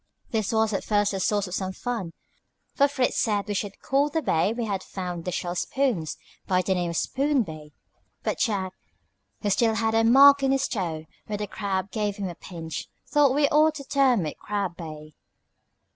This was at first the source of some fun, for Fritz said we should call the bay where we had found the shell spoons by the name of Spoon Bay; but Jack, who still had a mark on his toe where the crab gave him a pinch, thought we ought to term it Crab Bay.